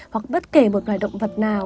hoặc bất kể một loài động vật nào